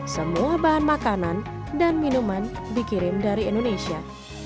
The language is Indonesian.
semua bahan makanan dan minuman dikirim dari indonesia